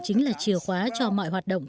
chính là chìa khóa cho mọi hoạt động